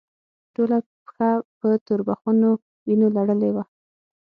ټوله پښه په توربخونو وينو لړلې وه.